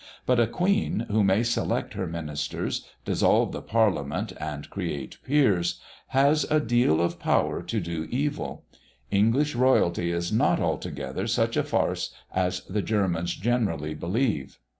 But a Queen, who may select her ministers, dissolve the parliament, and create peers, has a deal of power to do evil. English royalty is not altogether such a farce as the Germans generally believe.